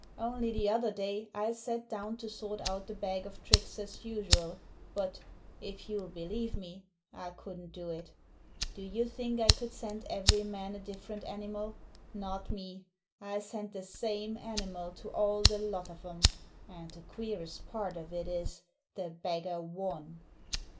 Only the other day I sat down to sort out the bag of tricks as usual, but, if you'll believe me, I couldn't do it Do you thinly I could send every man a different animal? Not me! I sent the same animal to all the lot of 'em; and the queerest part of it is, the beggar won!